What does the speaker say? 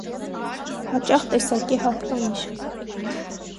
Հաճախ տեսակի հատկանիշ է։